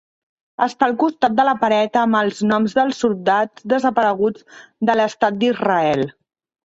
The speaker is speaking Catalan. Està al costat de la paret amb els noms dels soldats desapareguts de l'Estat d'Israel.